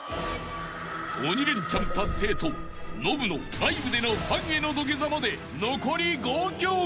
［鬼レンチャン達成とノブのライブでのファンへの土下座まで残り５曲］